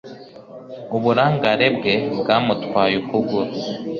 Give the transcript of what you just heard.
Uburangare bwe bwamutwaye ukuguru.